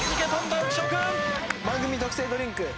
番組特製ドリンクマル３。